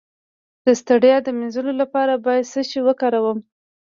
د ستړیا د مینځلو لپاره باید څه شی وکاروم؟